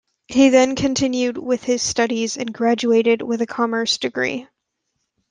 He then continued with his studies and graduated with a Commerce degree.